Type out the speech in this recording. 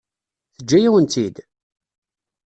Teǧǧa-yawen-tt-id?